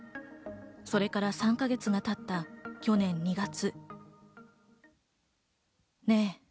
それから３か月が経った去年２月。